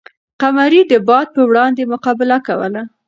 قمري د باد په وړاندې مقابله کوله.